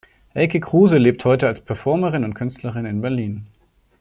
Elke Kruse lebt heute als Performerin und Künstlerin in Berlin.